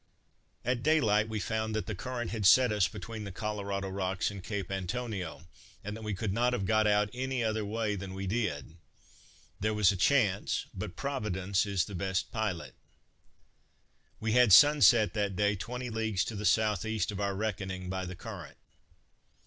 At daylight we found that the current had set us between the Collarado rocks and Cape Antonio, and that we could not have got out any other way than we did; there was a chance, but Providence is the best pilot. We had sunset that day twenty leagues to the south east of our reckoning by the current.